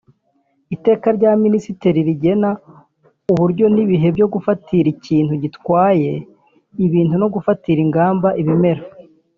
Iteka rya Minisitiri rigena uburyo n’ibihe byo gufatira ikintu gitwaye ibintu no gufatira ingamba ibimera